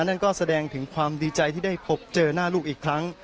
นั่นก็แสดงถึงความดีใจที่ได้พบเจอหน้าลูกอีกครั้ง